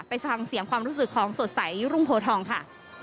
ไปฟังเสียงความรู้สึกของสดใสรุ่งโพทองค่ะ